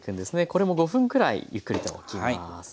これも５分くらいゆっくりとおきます。